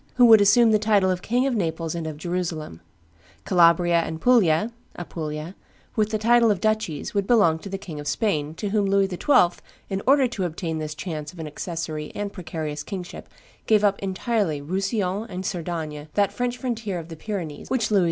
who would assume the title of King of Naples and of Jerusalem; Calabria and Puglia (Apulia), with the title of duchies, would belong to the King of Spain, to whom Louis XII., in order to obtain this chance of an accessary and precarious kingship, gave up entirely Roussillon and Cerdagne, that French frontier of the Pyrenees which Louis XI.